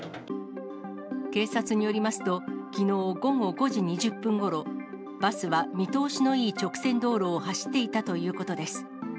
警察によりますと、きのう午後５時２０分ごろ、バスは見通しのいい直線道路を走っていたということです。